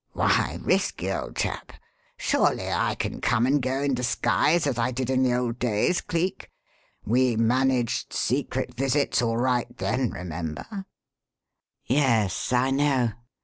"Why risky, old chap? Surely I can come and go in disguise as I did in the old days, Cleek? We managed secret visits all right then, remember." "Yes I know.